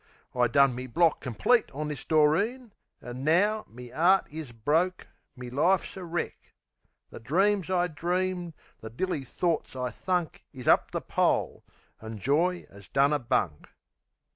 I done me block complete on this Doreen, An' now me 'eart is broke, me life's a wreck! The dreams I dreamed, the dilly thorts I thunk Is up the pole, an' joy 'as done a bunk.